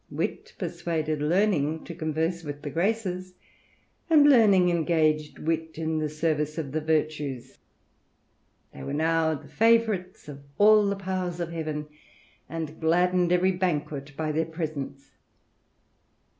Wit persuaded Learning to converse with the Graces, and Learning engaged Wit in the service of the Virtues. They were now the favourites. THE RAMBLER. of all the powers of heaven, and gladdened every banquet by theii presence.